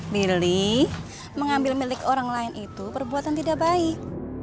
billy mengambil milik orang lain itu perbuatan tidak baik